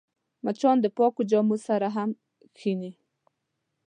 مچان د پاکو جامو سره هم کښېني